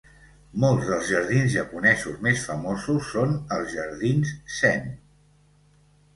Molts dels jardins japonesos més famosos són els jardins zen.